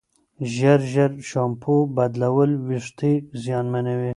ژر ژر شامپو بدلول وېښتې زیانمنوي.